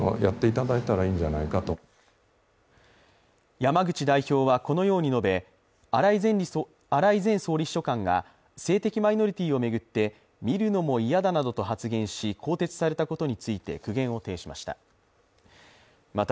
山口代表はこのように述べ荒井前総理秘書官が性的マイノリティーを巡って見るのも嫌だなどと発言し、更迭されたことについて苦言を呈しました。